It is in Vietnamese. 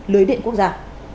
lưới điện quốc gia